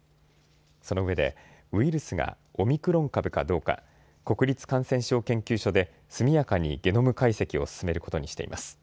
そのうえでウイルスがオミクロン株かどうか国立感染症研究所で速やかにゲノム解析を進めることにしています。